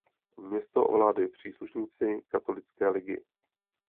Město ovládli příslušníci katolické ligy.